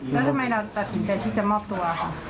แล้วทำไมเราตัดสินใจที่จะมอบตัวค่ะ